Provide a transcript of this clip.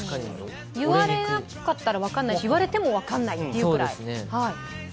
言われなかったら分からないし、言われても分かんないってくらい。